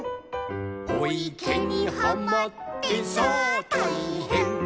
「おいけにはまってさあたいへん」